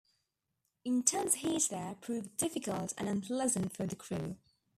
Intense heat there proved difficult and unpleasant for the crew.